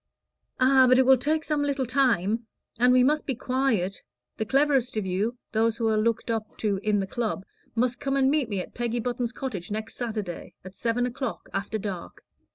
"Ah, but it will take some little time. And we must be quiet. The cleverest of you those who are looked up to in the Club must come and meet me at Peggy Button's cottage next Saturday, at seven o'clock, after dark.